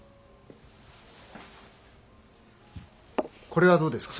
これはどうですか？